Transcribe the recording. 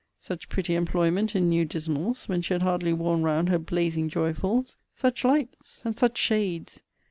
Such pretty employment in new dismals, when she had hardly worn round her blazing joyfuls! Such lights, and such shades!